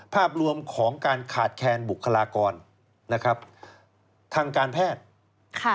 ภาพรวมของการขาดแคลนบุคลากรนะครับทางการแพทย์ค่ะ